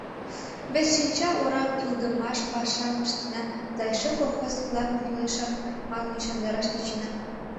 Вет шинча орак кӱлдымаш пашам ыштена да эше колхозник-влакым, кӱлешак манын, ӱшандараш тӧчена.